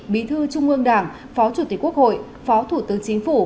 bí thư trung ương đảng phó chủ tịch quốc hội phó thủ tướng chính phủ